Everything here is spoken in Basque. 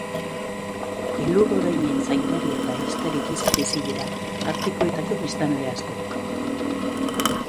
Elur oreinen zaindari eta ehiztari gisa bizi dira artikoetako biztanle asko.